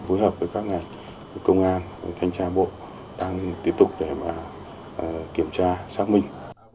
với các ngành công an thanh tra bộ đang tiếp tục để kiểm tra xác minh